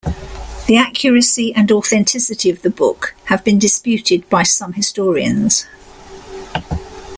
The accuracy and authenticity of the book have been disputed by some historians.